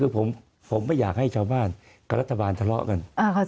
คือผมไม่อยากให้ชาวบ้านกับรัฐบาลทะเลาะกัน